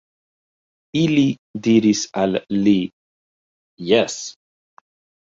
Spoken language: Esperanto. Ili diris al li: Jes.